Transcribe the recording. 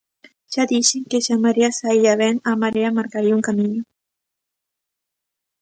Xa dixen que se a Marea saía ben, a Marea marcaría un camiño.